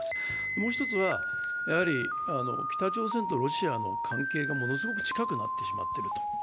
もう一つは北朝鮮とロシアの関係がものすごく近くなってしまっている。